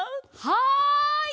はい！